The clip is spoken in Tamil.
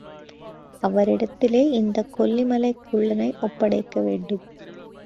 அவரிடத்திலே இந்தக் கொல்லிமலைக்குள்ளனை ஒப்படைக்க வேண்டும்.